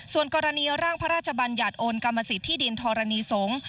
ส่วนกรณีร่างพระราชบัญญัติโอนกรรมสิทธิดินธรณีสงฆ์